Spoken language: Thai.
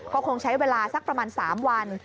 ก็คงใช้เวลาสักประมาณ๓วัน